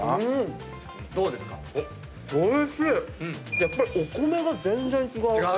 やっぱりお米が全然違う。